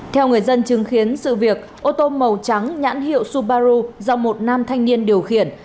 theo người dân chứng kiến sự việc ô tô màu trắng nhãn hiệu subaru do một nam thanh niên điều khiển